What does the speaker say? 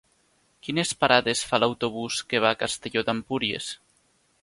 Quines parades fa l'autobús que va a Castelló d'Empúries?